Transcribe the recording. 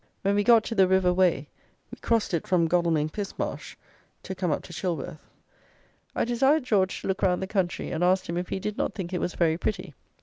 When we got to the river Wey, we crossed it from Godalming Pismarsh to come up to Chilworth. I desired George to look round the country, and asked him if he did not think it was very pretty.